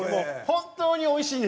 本当においしい。